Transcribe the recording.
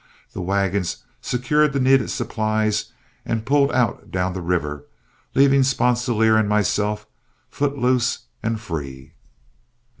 The wagons secured the needed supplies, and pulled out down the river, leaving Sponsilier and myself foot loose and free.